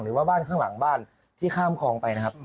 หรือว่าบ้านข้างหลังบ้านที่ข้ามคลองไปนะครับ